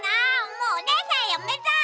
もうおねえさんやめた！